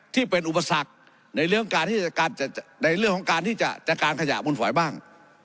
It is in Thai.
ที่เป็นอุปสรรคในเรื่องของการที่จะจัดการขยะมุนฝอยบ้าง